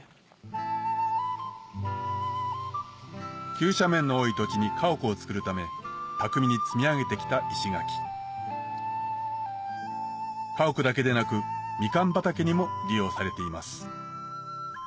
急斜面の多い土地に家屋をつくるため巧みに積み上げてきた石垣家屋だけでなくミカン畑にも利用されています